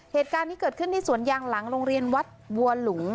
เหตุการณ์นี้เกิดขึ้นที่สวนยางหลังโรงเรียนวัดบัวหลุง